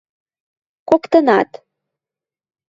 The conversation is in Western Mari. Коктынат: